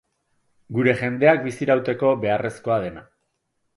Gure jendeak bizirauteko beharrezkoa dena.